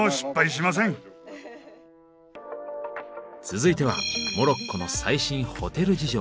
続いてはモロッコの最新ホテル事情。